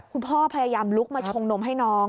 คุณพ่อพยายามลุกมาชงนมให้น้อง